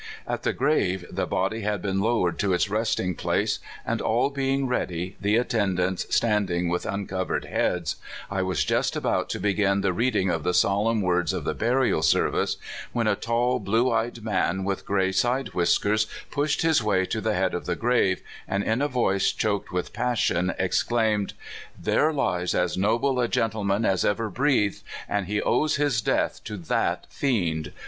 At the grave the 86 CALIFORNIA SKETCHES. body had been lowered to its resting place, and all being ready, the attendants standing with uncovered heads, I w r as just about to begin the reading of the solemn words of the burial service, when a tall, blue eyed man with gray side whiskers pushed his way to the head of the grave, and in a voice choked with passion, exclaimed: " There lies as noble a gentleman as ever breathed, and he owes his death to that fiend